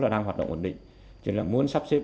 đang hoạt động ổn định chứ là muốn sắp xếp